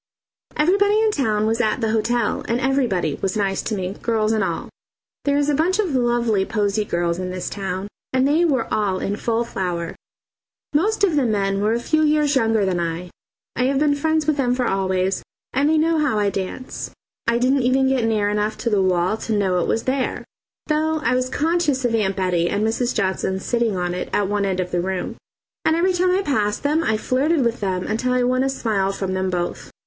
Everybody in town was at the hotel, and everybody was nice to me, girls and all. There is a bunch of lovely posy girls in this town, and they were all in full flower. Most of the men were a few years younger than I. I have been friends with them for always, and they know how I dance. I didn't even get near enough to the wall to know it was there, though I was conscious of Aunt Bettie and Mrs. Johnson sitting on it at one end of the room, and every time I passed them I flirted with them until I won a smile from them both.